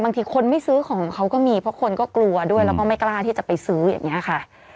คนไม่ซื้อของเขาก็มีเพราะคนก็กลัวด้วยแล้วก็ไม่กล้าที่จะไปซื้ออย่างนี้ค่ะ